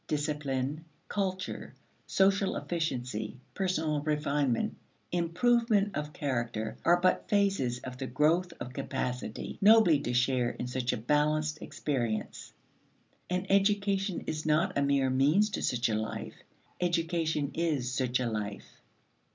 Discipline, culture, social efficiency, personal refinement, improvement of character are but phases of the growth of capacity nobly to share in such a balanced experience. And education is not a mere means to such a life. Education is such a life.